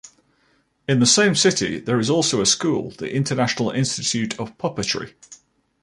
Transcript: In the same city there is also a school: the International Institute of Puppetry.